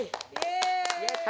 やった！